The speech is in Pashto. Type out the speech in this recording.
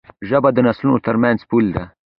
ژبه د نسلونو ترمنځ پُل دی.